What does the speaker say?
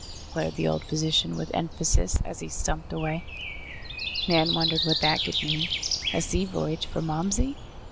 declared the old physician with emphasis, as he stumped away. Nan wondered what that could mean. A sea voyage for Momsey?